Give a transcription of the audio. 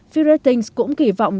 fitch ratings cũng kỳ vọng